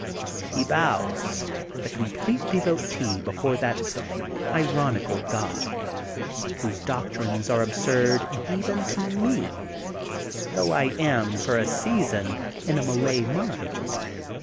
He bows, the complete devotee before that ironical god whose doctrines arp absurd, even to me, though I am for a season in a Malay mind.